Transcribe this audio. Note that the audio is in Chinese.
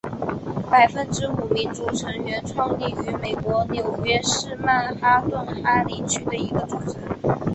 百分之五民族成员创立于美国纽约市曼哈顿哈林区的一个组织。